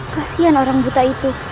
kasian orang buta itu